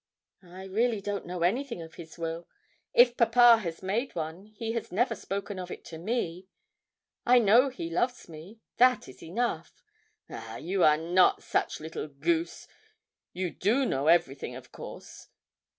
'I really don't know anything of his will. If papa has made one, he has never spoken of it to me. I know he loves me that is enough.' 'Ah! you are not such little goose you do know everything, of course.